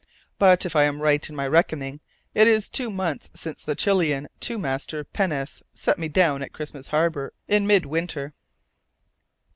But, if I am right in my reckoning, it is two months since the Chilian two master Peñas set me down at Christmas Harbour in mid winter.